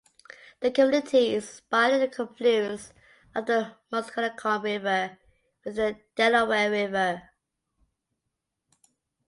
The community is by the confluence of the Musconetcong River with the Delaware River.